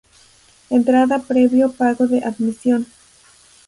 Entrada previo pago de admisión.